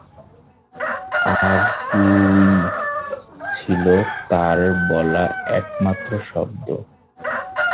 আগউই' ছিল তার বলা একমাত্র শব্দ।